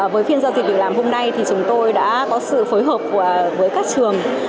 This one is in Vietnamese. với phiên giao dịch việc làm hôm nay thì chúng tôi đã có sự phối hợp với các trường